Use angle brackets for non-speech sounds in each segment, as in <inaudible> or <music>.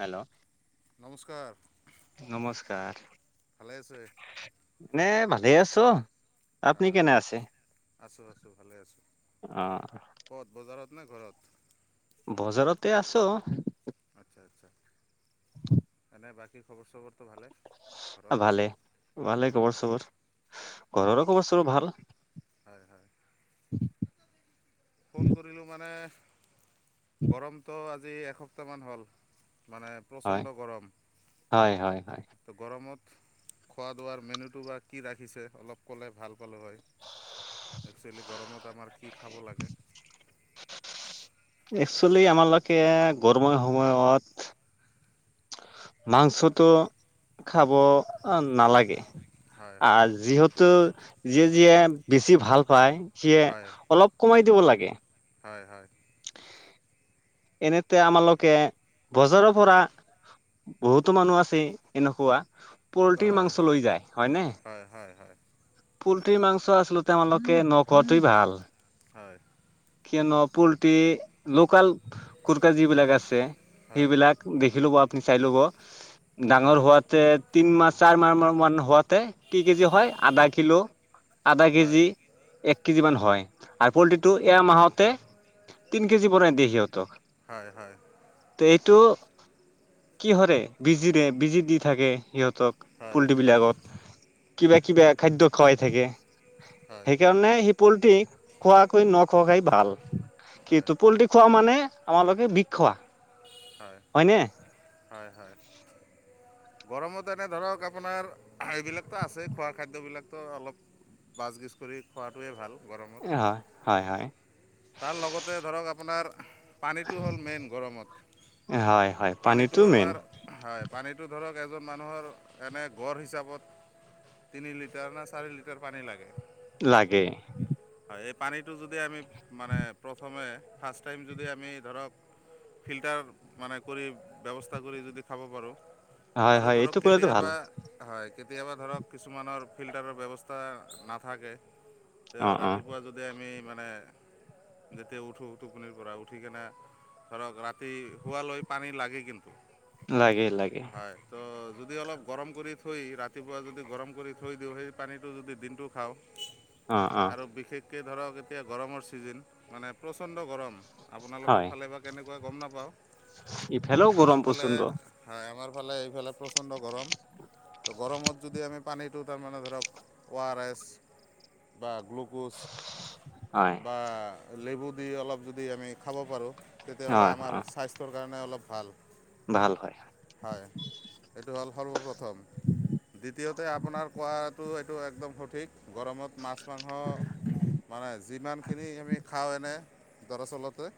Hello নমস্কাৰ নমস্কাৰ ভালে আছে এনে ভালে আছ আপুনি আহ কেনে আছে আছোঁ আছোঁ ভালে আছোঁ অ ক'ত বজাৰত নে ঘৰত বজাৰতে আছো আচ্ছা আচ্ছা <inaudible> এনে বাকী খবৰ চবৰটো ভালে ঘৰৰ ভালে ভালে খবৰ চবৰ হয় ঘৰৰো খবৰ চবৰ ভাল হয় হয় ফোন কৰিলোঁ মানে গৰমটো আজি এসপ্তাহমান হ'ল মানে হয় প্ৰচণ্ড গৰম হয় হয় হয় তো গৰমত খোৱা দোৱাৰ মেনুটো বা কি ৰাখিছে অলপ ক'লে ভাল গলো হয় একচুৱেলি গৰমত আমাৰ কি খাব লাগে একচুৱেলি আমাৰলোকে গৰমৰ সময়ত মাংসটো খাব নালাগে হয় আ হয় যিহেতু যিয়ে যিয়ে বেছি ভাল পায় সিয়ে হয় অলপ কমাই দিব লাগে হয় হয় এনেতে আমালোকে বজাৰৰ পৰা বহুতো মানুহ আছে এনেকুৱা পলট্ৰিৰ হয় মাংস লৈ যায় হয়নে হয় হয় হয় পলট্ৰি মাংস আছলতে আমালোকে নখোৱাটোৱে ভাল হয়। কিয়নো পলট্ৰি লোকাল কুুৰকা যিবিলাক আছে হয় হয় সেইবিলাক- দেখি ল'ব আপুনি চাই ল'ব, হয় ডাঙৰ হোৱাতে তিন মাহ চাৰ মাহ মান হোৱাত- কেই কেজি হয় আধা কিলো আধা কেজি, হয় এক কেজিমান হয় আৰু পলট্ৰিটো এয়া মাহত তিন কেজি পৰা দিয়ে সিহঁতক। হয় হয়। এইটো কি হৰে বিজিৰে বিজি দি থাকে সিহঁতক হয় পলট্ৰি বিলাক কিবা কিবা খাদ্য খোৱাই থাকে হয় সেইকাৰণে সি পলট্ৰি খোৱাকৈ নখোৱা খাই ভাল হয় কিন্তু পলট্ৰি খোৱা মানে আমালোকে বিক্ষোৱা। হয়, হয় হয়। গৰমত এনে ধৰক আপোনাৰ এইবিলাকতো আছে, খোৱা খাদ্য বিলাক ত অলপ বাছ-বিছ কৰি খোৱাটোৱে ভাল গৰমত। হয়, হয় হয়। তাৰ লগতে ধৰক আপোনাৰ পানীটো হ'ল মেইন গৰমত, হয় হয় পানীটো মেইন আমাৰ হয় পানীটো ধৰক এজন মানুহৰ এনে গঁড় হিচাপত তিনি লিটাৰ না চাৰি লিটাৰ পানী লাগে। লাগে। হয় এই পানীটো যদি আমি মানে প্ৰথমে ফাৰ্ষ্ট টাইম যদি আমি ধৰক ফিল্টাৰ মানে কৰি ব্যৱস্থা কৰি যদি খাব পাৰোঁ হয় আৰু হয় ধৰক এইটো কৰিলেতো ভাল কেতিয়াবা হয় কেতিয়াবা ধৰক কিছুমানৰ ফিল্টাৰৰ ব্যৱস্থা নাথাকে অ তে অ ৰাতিপুৱা যদি আমি মানে যেতিয়া উঠোঁ টোপনিৰ পৰা, উঠি কেনে ধৰক ৰাতি শোৱালৈ পানী লাগে কিন্তু। লাগে লাগে। হয় তো যদি অলপ গৰম কৰি থৈ ৰাতিপুৱা যদি গৰম কৰি থৈ দিওঁ, সেই পানীটো যদি দিনটো খাওঁ অ অ আৰু বিশেষকে ধৰক এতিয়া গৰমৰ ছিজেন, মানে প্ৰচণ্ড গৰম। আপোনালোকৰ হয় ফালে বা কেনেকুৱা গম নাপাওঁ। ইফালেও আমাৰ গৰম ফালে প্ৰচণ্ড হয়, আমাৰ ফালে এইফালে প্ৰচণ্ড গৰম। ত' গৰমত যদি আমি পানীটো তাৰমানে ধৰক অ আৰ এছ বা গ্লু গুচ, হয়। বা লেবু দি অলপ যদি আমি খাব পাৰোঁ, তেতিয়াহ'লে হয় অ আমাৰ স্বাস্থ্য কাৰণে অলপ ভাল। ভাল হয়। হয়, এইটো হ'ল সৰ্বপ্ৰথম। দ্বিতীয়তে আপোনাৰ কোৱাটো এইটো একদম সঠিক। গৰমত মাছ <unintelligible> মানে যিমান খিনি আমি খাওঁ <unintelligible> দৰাচলতে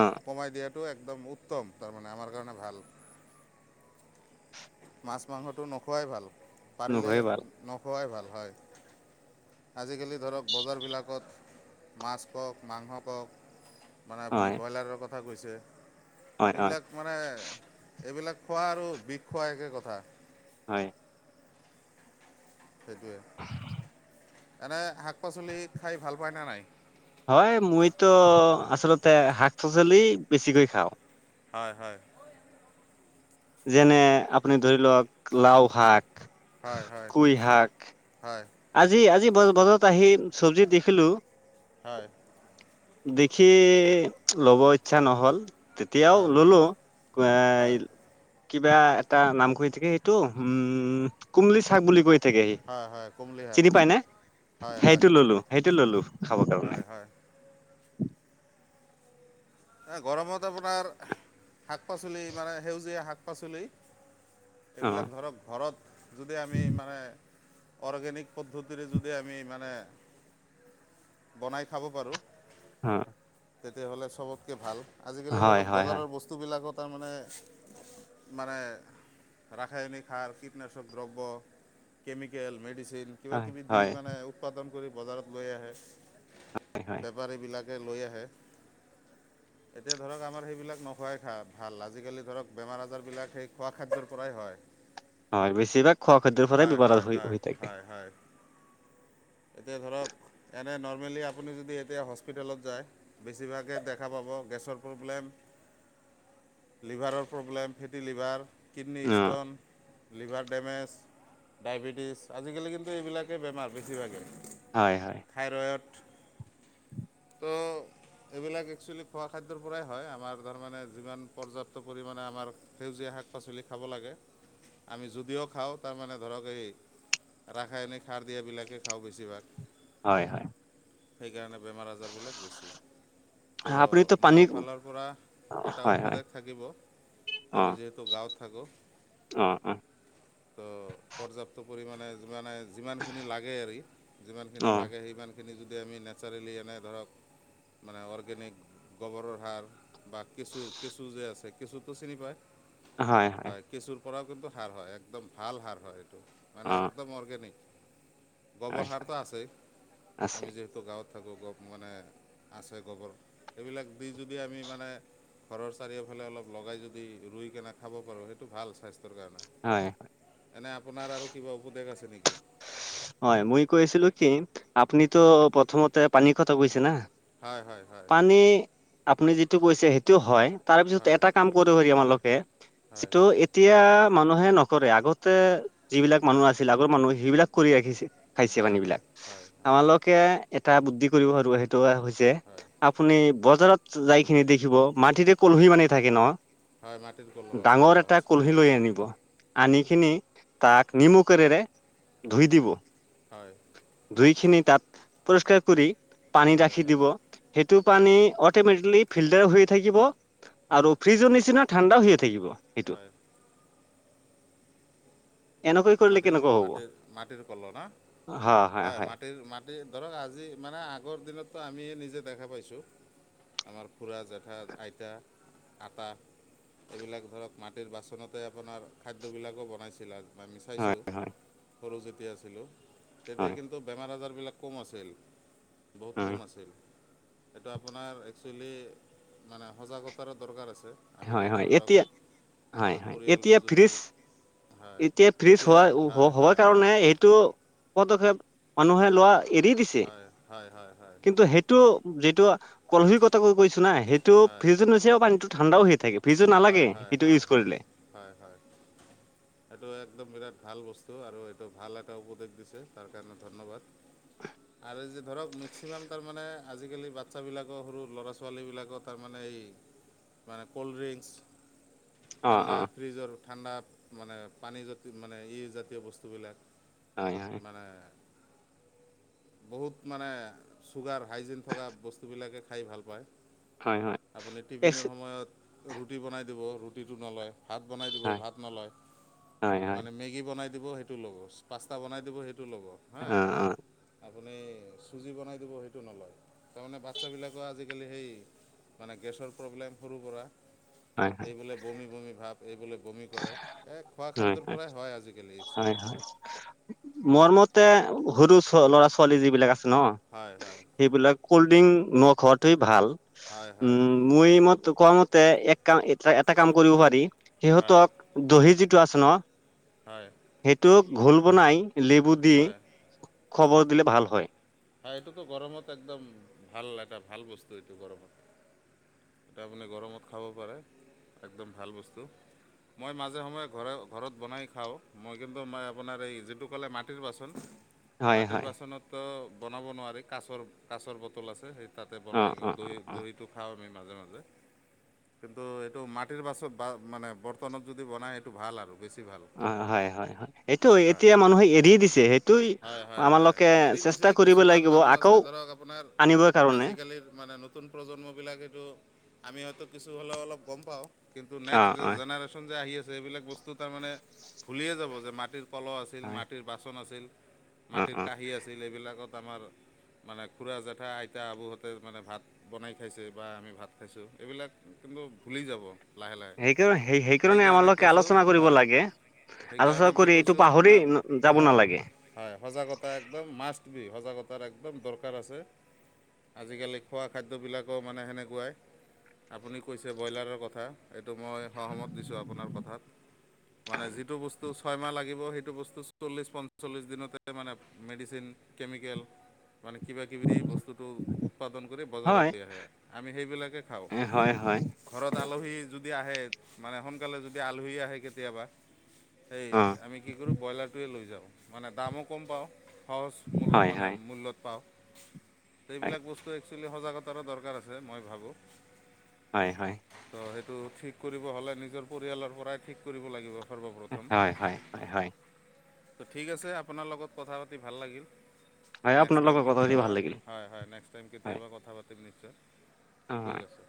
অ কমাই টো একদম উত্তম, তাৰমানে আমাৰ কাৰণে ভাল। মাছ-মাংসটো নোখোৱায় ভাল। পাৰিলে নগৈ ভাল নখোৱাই ভাল হয়। আজিকালি ধৰক বজাৰবিলাকত মাছ খওক, মাংস খওক মানে আপুনি হয় ব্ৰইলাৰৰ কথা কৈছে হয় হয় এইবিলাক মানে, এইবিলাক খোৱা আৰু বিষ খোৱা একে কথা। হয়। সেইটোৱেই। এনে শাক-পাচলি খাই ভাল পায়নে নাই? হয় মইতো আচলতে শাক-পাচলি বেছিকৈ খাওঁ। হয় হয়। যেনে আপুনি ধৰি লওক লাও শাক হয় -হয়, কুই শাক হয় আজি- আজি বজাৰত আহি চব্জিত দেখিলো হয়। দেখি ল'ব ইচ্ছা নহ'ল। তেতিয়াও হয় ললো এ হয় কিবা এটা নাম কৈ থাকে সেইটো উমঁ কুমলি চাক বুলি কৈ থাকে সি। হয় হয় কুমলি চিনি পাই নে? সেইটো ললো সেইটো ললো খাবৰ কাৰণে হয় হয় গৰমত আপোনাৰ- শাক-পাচলি মানে সেউজীয়া শাক- পাচলি অ এইবিলাক ধৰক ঘৰত- যদি আমি মানে অৰ্গেনিক পদ্ধতিৰে যদি আমি মানে- বনাই খাব পাৰোঁ হঁ। তেতিয়াহ'লে চবতকে ভাল, আজিকালি হয় ধৰক হয় হয় বজাৰৰ বস্তু- স্তু বিলাকত তাৰমানে মানে ৰাসায়নিক সাৰ কীটনাশক দ্ৰব্য কেমিকেল মেডিচিন হয় কিবাকিবি দি হয় মানে উৎপাদন কৰি বজাৰত লৈ আহে হয় হয় বেপাৰীবিলাক লৈ আহে এতিয়া ধৰক আমাৰ সেইবিলাক নোখোৱাই খা ভাল আজিকালি ধৰক বেমাৰ আজাৰবিলাক সেই খোৱা খাদ্যৰ পৰাই হয় হয় বেছিভাগ খোৱা খাদ্যৰ পৰাই হয়, হয়, বিপদ হয়, হৈ হৈ থাকে হয় - হয়। এতিয়া ধৰক এনে নৰ্মেলি আপুনি যদি এতিয়া হস্পিটেলত যায় বেছিভাগে দেখা পাব গেছৰ প্ৰব্লেম লিভাৰৰ প্ৰব্লেম, ফেটি লিভাৰ, কিডনী অ ষ্টোন লিভাৰ ডেমেজ, ডায়েবেটিছ আজিকালি কিন্তু এইবিলাকেই বেমাৰ বেছিভাগেই হয়, হয়। থাইৰয়ড টো এইবিলাক একচুৱেলি খোৱা খাদ্যৰ পৰাই হয়, আমাৰ তাৰমানে যিমান পৰ্যাপ্ত পৰিমাণে আমাৰ সেউজীয়া শাক পাচলি খাব লাগে, আমি যদিও খাওঁ তাৰমানে ধৰক এই ৰাসায়নিক সাৰ দিয়াবিলাকে খাওঁ বেছিভাগ হয়, হয়। সেইকাৰণে বেমাৰ আজাৰবিলাক বেছি তো আপুনিতো পানী মোৰ ফালৰ পৰা এটা হয় হয় উপদেশ থাকিব আমি যিহেতু তো গাঁৱত থাকোঁ অহ অ তো পৰ্যাপ্ত পৰিমাণে যিমানে যিমানখিনি লাগে হেৰি, যিমানখিনি অ লাগে সিমানখিনি যদি আমি নেচাৰেলি এনে ধৰক মানে অৰ্গেনিক গোবৰৰ সাৰ বা কেঁচুৰ কেঁচু যে আছে কেঁচুটো চিনি পায় হয়, হয়। কেচুৰ পৰাও কিন্তু সাৰ হয়, একদম ভাল সাৰ হয় এইটো অ মানে একদম অৰ্গেনিক গবৰ হয় সাৰটো আছেই আছে আমি যিহেতু গাঁৱত থাকোঁ গব মানে আছে গোবৰ এইবিলাক দি যদি আমি মানে ঘৰৰ চাৰিওফালে অলপ লগাই যদি ৰুই কেনে খাব পাৰোঁ সেইটো ভাল স্বাস্থ্যৰ কাৰণে। হয়। এনে আপোনাৰ আৰু কিবা উপদেশ আছে নেকি? হয়, মই কৈছিলো কি আপুনিতো হয় প্ৰথমতে পানী কথা কৈছে না হয় হয় হয় পানী আপুনি যিটো কৈছে সেইটো হয় তাৰপিছত হয় এটা কাম কত হৈ তোমালোকে হয় যিটো এতিয়া মানুহে নকৰে আগতে যিবিলাক মানুহ আছিল আগৰ মানুহ সেইবিলাক কৰি ৰাখিছিল। খাইছে হয় পানী হয় বিলাক হয় হয় আমালোক। তাকে এটা বুদ্ধি কৰিব আৰু সেইটো হৈছে হয় আপুনি। বজাৰত যাইখিনি দেখিব মাটিতে কলহী মানে থাকে ন। হয় মাটিৰ কলহ ডাঙৰ কলহ এটা আছে কলহি হয় লৈ আনিব আনিকিনি তাক নিমু কৰিৰে ধুই দিব। হয়। দুইখিনি তাত পৰিষ্কাৰ কৰি। পানী হয় ৰাখি হয় দিব সেইটো হয় পানী অট'মেটিকেলি ফিল্টাৰ হৈয়ে থাকিব। হয় আৰু ফ্ৰিজৰ নিচিনা ঠাণ্ডাও হৈয়ে থাকিব। সেইটো হয়। এনেকৈ কৰিলে মাটিৰ কেনেকুৱা হ'ব মাটিৰ মাটিৰ কল না হয় মাটিৰ মা। ধৰক আজি মানে আগৰ দিনততো আমি নিজে দেখা পাইছো। আমাৰ খুৰা জেঠা আইতা আটা। এইবিলাক ধৰক মাটিৰ বাচনতে আপোনাৰ খাদ্যবিলাকো বনাইছিল আৰু আমি হয় চাইছোঁ হয় সৰু যেতিয়া আছিলোঁ তেতিয়া হয় কিন্তু। বেমাৰ আজাৰবিলাক কম আছিল বহুত হয় কম আছিল। এইটো আপোনাৰ একচুৱেলি মানে সজাগতাৰ দৰকাৰ আছে। আমি হয় যদি হয় ধৰক এতিয়া হয় নিজৰ হয় পৰিয়ালটো এতিয়া যদি ফ্ৰিজ হয়। এতিয়া ফ্ৰিজ হোৱা এতিয়া হয় হোৱাৰ হয় হয় কাৰণে এইটো পদক্ষেপ মানুহে লোৱা। এৰি দিছে হয় হয় হয় হয় কিন্তু সেই। টো যিটো কলহি কত কৈ কৈছো না সেইটো হয় ফ্ৰিজ নচ পানীতটো ঠাণ্ডাও হৈ থাকে। ফিজো হয় নালাগে হয় সেইটো হয় ইউজ কৰিলে। হয় হয় হয়। সেইটো একদম বিৰাট ভাল বস্তু আৰু এইটো ভাল এটা উপদেশ দিছে তাৰ কাৰণে ধন্যবাদ। <inaudible> আৰু যে ধৰক মেক্সিমাম তাৰমানে আজিকালি বাচ্ছাবিলাকৰ সৰু ল'ৰা ছোৱালীবিলাকৰ তাৰমানে এই। মানে ক'ল্ড্ৰিংক। অ ঠাণ্ডা অ ফ্ৰিজৰ ঠাণ্ডা মানে পানী জ মানে ই জাতীয় বস্তুবিলাক। হয় হয়। মানে বহুত মানে চুগাৰ। হাইজিন থকা বস্তুবিলাকে খাই ভাল পায় হয় হয় আপুনি এক্স টিফিনৰ সময়ত। ৰুটি বনাই দিব ৰুটিটো নলয়। ভাত বনাই দিব হয় ভাত নলয় হয় হয় মানে মেগী বনাই দিব সেইটো। লব পাঁচটা বনাই দিব সেইটো ল'ব অ হা। অ আপুনি চুজি বনাই দিব সেইটো নলয় তাৰমানে বাচ্ছাবিলাকৰ আজিকালি সেই। মানে গেছৰ প্ৰব্লেম সৰু সোৰা। হয় হয় এই বোলে বমি বমি ভাৱ এই বোলে বমি কৰে এই খোৱা খাদ্যৰ পৰাই হয় আজিকালি হয় একচুৱেলি। হয় মোৰ মতে সৰু ল'ৰা ছোৱালী যিবিলাক আছে ন। হয় হয়। সেইবিলাক ক'লড্ৰিংক নখোৱাটোৱেই ভাল হয় হয় উম, মই ম কোৱা মতে এক কাম এ এটা কাম কৰিব পাৰি হয় সিহতক। দহি যিটো আছে ন। হয়। সেইটো ঘোল বনাই লেবু দি হয় খবৰ দিলে ভাল হয়। হাঁ এইটোতো গৰমত একদম ভাল এটা ভাল বস্তু এইটো গৰমত। এয়া আপুনি গৰমত খাব পাৰে একদম ভাল বস্তু। মই মাজে সময়ে ঘৰে ঘৰত বনাই খাওঁ মই কিন্তু মই আপোনাৰ এই যিটো ক'লে মাটিৰ বাচন। হয় মাটিৰ হয় বাচনত টো বনাব নোৱাৰি কাচৰ কাছৰ বটল আছে সেইটো। তাতে অ বনাই অ অ দৈ অ দৈটো খাওঁ আমি মাজে মাজে। কিন্তু এইটো মাটিৰ বাছত বা মানে বৰ্তনত যদি বনাই সেইটো ভাল আৰু বেছি। ভাল অ হয় হয় হয় সেইটো হয় এতিয়া মানুহে এৰি দিছে সেইটো হয় হয় হয় আমালোকে এৰি দিছে চেষ্টা কৰি কিছুমান মানুহ আছে ধৰক আপোনাৰ কাৰণে আজিকালিৰ মানে নতুন প্ৰজন্মবিলাক এইটো আমি হয়তো কিছু হ'লেও অলপ গম পাওঁ কিন্তু অ নেক্স অ জেনেৰে, চন যে আহি আছে এইবিলাক বস্তু তাৰমানে ভুলিয়ে যাব যে মাটিৰ। কলহ আছিল হয় মাটিৰ বাচন আছিল অ মাটিৰ অ কাঁহী আছিল এইবিলাকত আমাৰ। মানে খুৰা জেঠা আইতা আবুহঁতে মানে ভাত। বনাই খাইছে বা আমি ভাত খাইছোঁ এইবিলাক কিন্তু ভুলি যাব। লাহে লাহে সেইকাৰণে সেই সেইকাৰণে আমালোকে কৈছোঁ আলোচনা কৰিব হয়। লাগে আলোচনা সেইকাৰণে মই কৰি এইটো কৈছোঁ পাহৰি আপোনাৰ যাব হয় নালাগে হয় সজাগতা একদম মাচ। সজাগতাৰ একদম দৰকাৰ আছে। আজিকালি খোৱা খাদ্যবিলাকো মানে সেনেকুৱাই। আপুনি কৈছে ব্ৰইলাৰৰ কথা এইটো মই সহমত দিছোঁ আপোনাৰ কথাত মানে যিটো বস্তু ছয়মাহ লাগিব সেইটো বস্তু চল্লিছ পঞ্চল্লিছ দিনতে মানে মেডিচিন কেমিকেল মানে কিবাকিবি বস্তুটো উৎপাদন কৰি বজাৰত হয় লৈ আহে আমি সেইবিলাকে খাওঁ হয় হয় ঘৰত আলহী যদি আহে মানে সোনকালে যদি আলহী আহে কেতিয়াবা সেই অ আমি কি কৰোঁ ব্ৰইলাৰটোৱে লৈ যাওঁ মানে দামো কম পাওঁ সহজ মূল্য হয় মানে হয় মূল্যত পাওঁ হয় সেইবিলাক বস্তুৱে একচুলি সজাগতাৰো দৰকাৰ আছে মই ভাবোঁ হয় হয় ত' সেইটো ঠিক কৰিব হ'লে নিজৰ পৰিয়ালৰ পৰাই ঠিক কৰিব লাগিব সৰ্বপ্ৰথম হয় হয় হয় হয় ত' ঠিক আছে আপোনাৰ লগত কথা পাতি ভাল লাগিল। হয় নেক্স আপোনাৰ টাইম লগত কথা পাতি কেতিয়াবা ভাল লাগিল হয় হয় নেক্সট টাইম হয় কেতিয়াবা কথা পাতিম নিশ্চয় অ ঠিক হয় আছে।